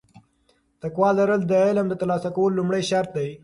تقوا لرل د علم د ترلاسه کولو لومړی شرط دی.